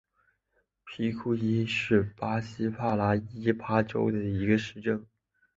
皮库伊是巴西帕拉伊巴州的一个市镇。